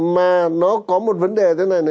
mà nó có một vấn đề thế này